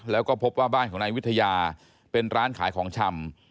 แล้วก็พบว่าบ้านของนายวิทยาเป็นร้านขายของชำ